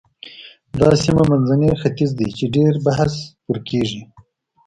دا سیمه منځنی ختیځ دی چې ډېر بحث پرې کېږي.